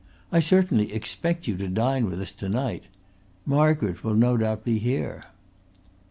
I certainly expect you to dine with us to night. Margaret will no doubt be here."